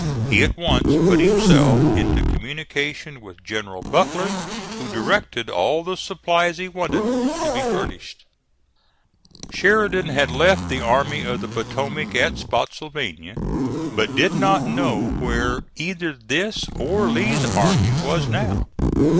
He at once put himself into communication with General Butler, who directed all the supplies he wanted to be furnished. Sheridan had left the Army of the Potomac at Spottsylvania, but did not know where either this or Lee's army was now.